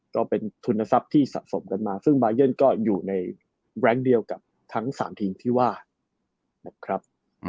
ก็เป็นทุนทรัพย์ที่สะสมกันมาซึ่งบายันก็อยู่ในแบรนด์เดียวกับทั้ง๓ทีมที่ว่านะครับ